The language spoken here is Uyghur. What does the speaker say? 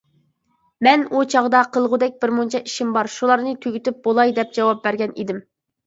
مەن ئۇ چاغدا «قىلغۇدەك بىر مۇنچە ئىشىم بار، شۇلارنى تۈگىتىپ بولاي» دەپ جاۋاب بەرگەن ئىدىم.